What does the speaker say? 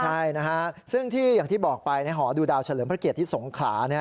ใช่นะฮะซึ่งที่อย่างที่บอกไปในหอดูดาวเฉลิมพระเกียรติที่สงขลา